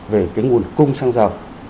về cái nguồn cung xăng dầu